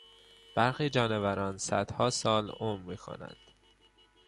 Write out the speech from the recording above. برخی جانوران صدها سال عمر میکنند.